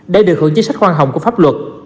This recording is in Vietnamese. để được hưởng chính sách khoan hồng của pháp luật